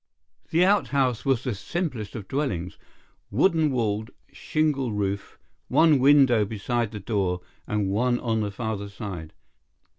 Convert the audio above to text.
The outhouse was the simplest of dwellings, wooden walled, shingle roofed, one window beside the door and one on the farther side.